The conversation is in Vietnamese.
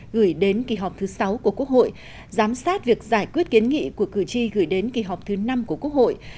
gửi đến kỳ họp thứ sáu của quốc hội giám sát việc giải quyết kiến nghị của cử tri gửi đến kỳ họp thứ năm của quốc hội